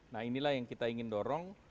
nah inilah yang kita ingin dorong